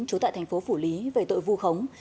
trú tại thành phố phủ lý về tội vu khống